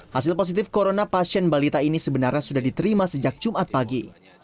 hasil positif corona pasien balita ini sebenarnya sudah diterima sejak jumat pagi